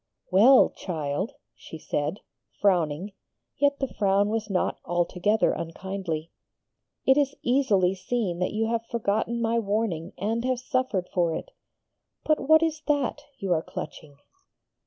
'Well, child,' she said, frowning, yet the frown was not altogether unkindly, 'it is easily seen that you have forgotten my warning and have suffered for it. But what is that you are clutching?'